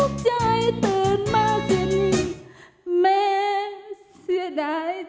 ครับ